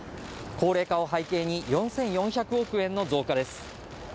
高齢化を背景に４４００億円の増加です